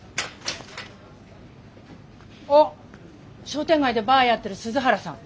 商店街でバーやってる鈴原さん。